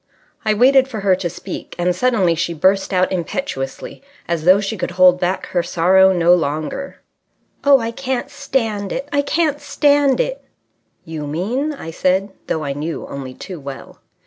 I waited for her to speak, and suddenly she burst out impetuously as though she could hold back her sorrow no longer. "Oh, I can't stand it! I can't stand it!" "You mean...?" I said, though I knew only too well.